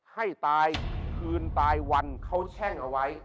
ให้ตายคืนตายวันเขาแช่งเอาไว้